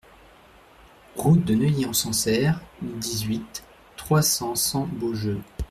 Route de Neuilly-en-Sancerre, dix-huit, trois cents Sens-Beaujeu